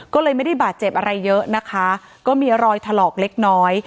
ก็เลยไม่ได้บาดเจ็บอะไรเยอะนะคะก็มีรอยถลอกเล็กน้อย